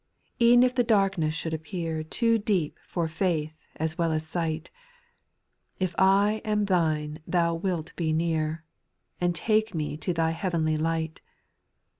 8. E'en if the darkness should appear . Too deep for ftiith as well as sight, If I am Thine Thou wilt be near, And take me to Thy heavenly light.